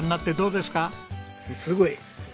すごい。